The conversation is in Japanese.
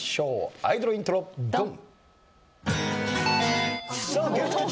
アイドルイントロドン！